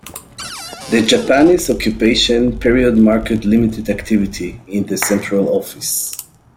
The Japanese occupation period marked limited activity in the Central Office.